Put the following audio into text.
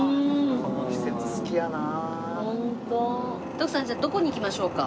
徳さんじゃあどこに行きましょうか？